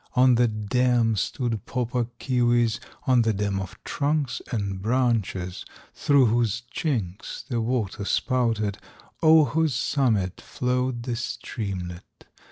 On the dam stood Pau Puk Keewis, On the dam of trunks and branches, Through whose chinks the water spouted, O'er whose summit flowed the streamlet.